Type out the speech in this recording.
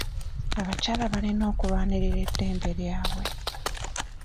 Abakyala balina okulwanirira eddembe lyabwe.